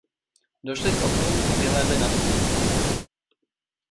Došli k oknu a vyhlédli na dvůr.